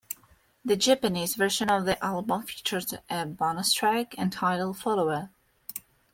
The Japanese version of the album featured a bonus track, entitled "Follower".